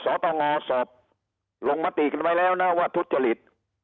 สตงสอบลงมติกันไว้แล้วนะว่าทุจริต